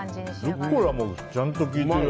ルッコラもちゃんと効いてる。